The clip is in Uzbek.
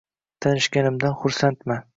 Tanishganimdan xursandman.